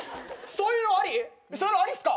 そういうのありっすか？